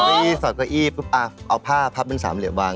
เดี๋ยวไปสัดเก้าอี้เอาผ้าพับเป็น๓เหลี่ยววาง